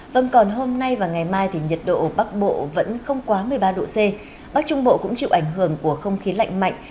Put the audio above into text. vâng còn hôm nay và ngày mai thì nhiệt độ bắc bộ vẫn không quá một mươi ba độ c bắc trung bộ cũng chịu ảnh hưởng của không khí lạnh mạnh